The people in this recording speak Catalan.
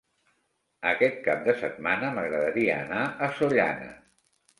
Aquest cap de setmana m'agradaria anar a Sollana.